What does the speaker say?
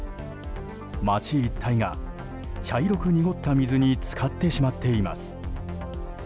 街一帯が茶色く濁った水に浸かってしまっています。